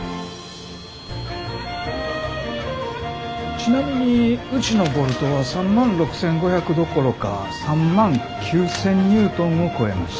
ちなみにうちのボルトは３万６，５００どころか３万９，０００ニュートンを超えました。